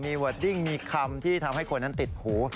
มีเวอร์ดดิ้งมีคำที่ทำให้คนนั้นติดหู